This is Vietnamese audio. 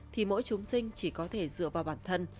thì mỗi chúng sinh chỉ có thể dựa vào bản thân